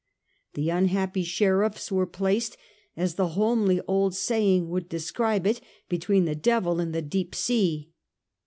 The unhappy sheriffs were placed, as the homely old saying would describe it, between the devil and the deep sea.